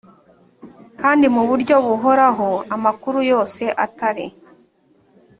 kandi mu buryo buhoraho amakuru yose atari